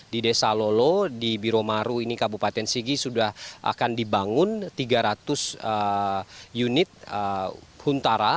di desa lolo di biro maru ini kabupaten sigi sudah akan dibangun tiga ratus unit huntara